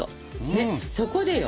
ねっそこでよ！